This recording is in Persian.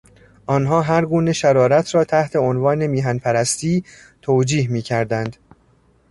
آنها هرگونه شرارت را تحت عنوان میهن پرستی توجیه میکردند.